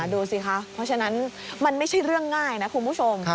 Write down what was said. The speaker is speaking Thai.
ดูสิคะเพราะฉะนั้นมันไม่ใช่เรื่องง่ายนะคุณผู้ชม